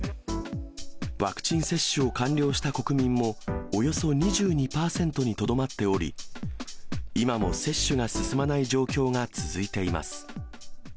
ワクチン接種を完了した国民も、およそ２２％にとどまっており、今も接種が進まない状況が続いています。